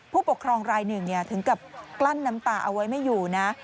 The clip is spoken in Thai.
ผู้ปกครองรายหนึ่งถึงกับกลั้นน้ำตาเอาไว้ไม่อยู่นะ